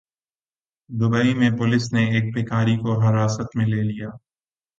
Dubai میں police نے ایک بھکاری کو حراست میں لے لیا